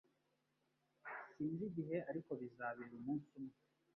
Sinzi igihe ariko bizabera umunsi umwe